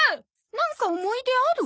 なんか思い出ある？